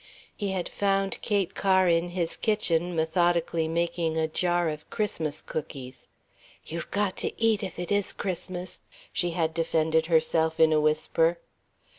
He had found Kate Kerr in his kitchen methodically making a jar of Christmas cookies. ("You've got to eat, if it is Christmas," she had defended herself in a whisper.)